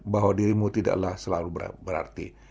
bahwa dirimu tidaklah selalu berarti